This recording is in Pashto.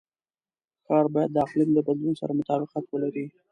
ښار باید د اقلیم د بدلون سره مطابقت ولري.